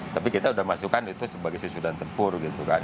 tapi kita sudah masukkan itu sebagai susu dan tempur gitu kan